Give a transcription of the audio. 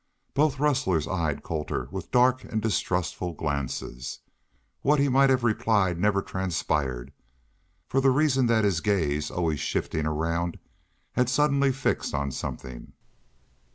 Both rustlers eyed Colter with dark and distrustful glances. What he might have replied never transpired, for the reason that his gaze, always shifting around, had suddenly fixed on something.